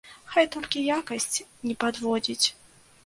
Хай толькі якасць не падводзіць!